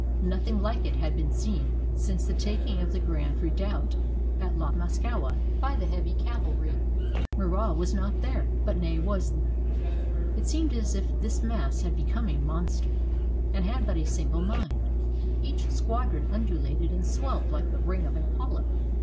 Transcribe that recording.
Nothing like it had been seen since the taking of the grand redoubt at La Moscowa, by the heavy cavalry; Murat was not there, but Ney was there. It seemed as 368 WATERLOO if this mass had become a monster, and had but a single mind. Each squadron undulated and swelled like the ring of a polyp.